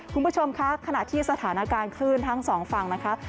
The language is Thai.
คุณผู้ชมคะขณะที่สถานการณ์คลื่นทั้งสองฝั่งนะคะ